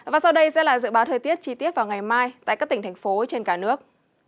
và sau đây sẽ là dự báo thời tiết chi tiết vào ngày mai tại các tỉnh thành phố trên cả nước